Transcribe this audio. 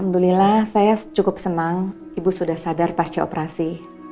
alhamdulillah saya cukup senang ibu sudah sadar pasca operasi